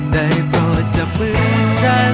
ได้โปรดจับมือฉัน